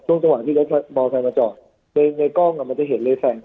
ช่วงจังหวะที่รถบอร์ไทน์มาจอดในกล้องมันจะเห็นเลยแสง